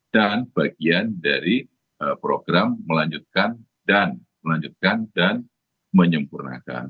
dan bagian dari program melanjutkan dan menyempurnakan